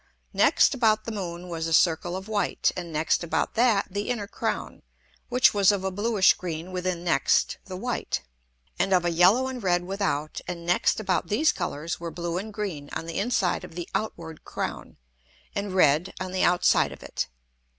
Next about the Moon was a Circle of white, and next about that the inner Crown, which was of a bluish green within next the white, and of a yellow and red without, and next about these Colours were blue and green on the inside of the outward Crown, and red on the outside of it.